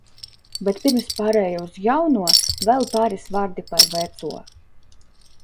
Bet pirms pārēju uz jauno vēl pāris vārdi par veco.